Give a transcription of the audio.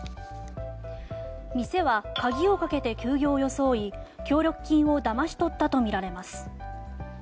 店は、鍵をかけて休業を装い協力金をだまし取ったとみられます。